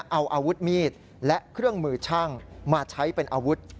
เอาอาวุธมีดและเครื่องมือช่างมาใช้เป็นอาวุธ